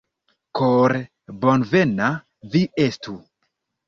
Kore bonvena vi estu!